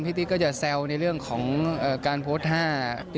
ติ๊กก็จะแซวในเรื่องของการโพสต์ท่า